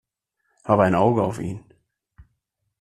Hab ein Auge auf ihn.